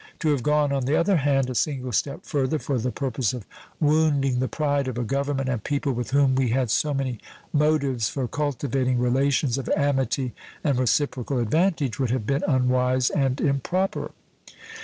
To have gone, on the other hand, a single step further for the purpose of wounding the pride of a Government and people with whom we had so many motives for cultivating relations of amity and reciprocal advantage would have been unwise and improper.